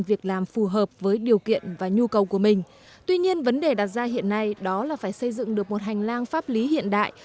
việc làm phù hợp với điều kiện và nhu cầu của mình tuy nhiên vấn đề đặt ra hiện nay đó là phải xây dựng được một hành lang pháp lý hiện đại